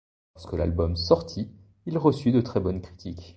Lorsque l'album sortit, il reçut de très bonnes critiques.